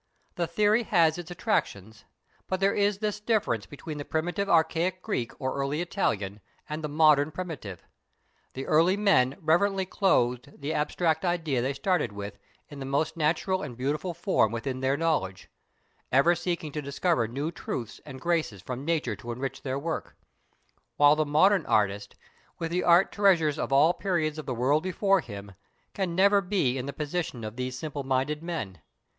The theory has its attractions, but there is this difference between the primitive archaic Greek or early Italian and the modern primitive; the early men reverently clothed the abstract idea they started with in the most natural and beautiful form within their knowledge, ever seeking to discover new truths and graces from nature to enrich their work; while the modern artist, with the art treasures of all periods of the world before him, can never be in the position of these simple minded men.